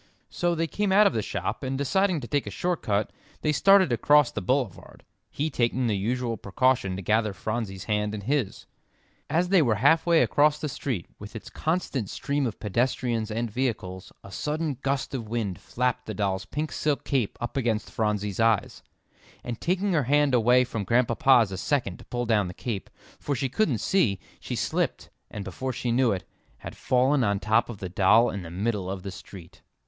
So they came out of the shop, and deciding to take a short cut, they started across the boulevard, he taking the usual precaution to gather Phronsie's hand in his. As they were halfway across the street, with its constant stream of pedestrians and vehicles, a sudden gust of wind flapped the doll's pink silk cape up against Phronsie's eyes, and taking her hand away from Grandpapa's a second to pull down the cape, for she couldn't see, she slipped, and before she knew it, had fallen on top of the doll in the middle of the street.